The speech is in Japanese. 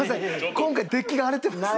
今回デッキが荒れてますね。